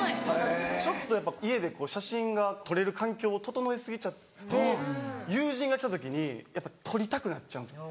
ちょっと家で写真が撮れる環境を整え過ぎちゃって友人が来た時にやっぱ撮りたくなっちゃうんです。